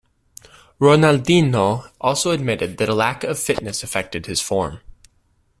Ronaldinho also admitted that a lack of fitness affected his form.